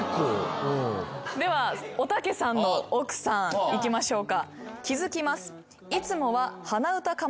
ではおたけさんの奥さんいきましょうか。